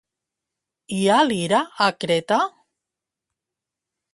Hi ha lira a Creta?